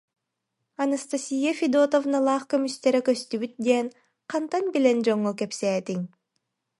Анастасия Федотовналаах көмүстэрэ көстүбүт диэн хантан билэн дьоҥҥо кэпсээтиҥ